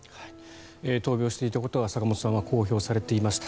闘病していたことは坂本さんは公表していました。